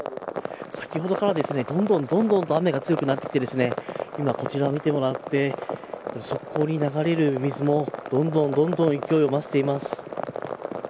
先ほどから、どんどんと雨が強くなってきて今こちらを見てもらって側溝に流れる水もどんどん勢いを増しています。